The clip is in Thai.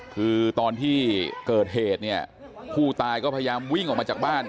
คือตอนที่เกิดเหตุเนี่ยผู้ตายก็พยายามวิ่งออกมาจากบ้าน